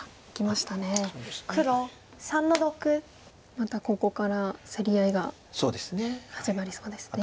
またここから競り合いが始まりそうですね。